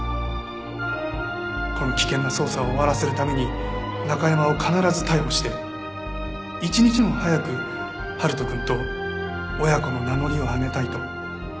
この危険な捜査を終わらせるためにナカヤマを必ず逮捕して一日も早く春人くんと親子の名乗りを上げたいと。